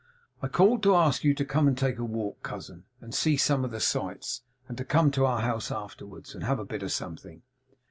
I called to ask you to come and take a walk, cousin, and see some of the sights; and to come to our house afterwards, and have a bit of something.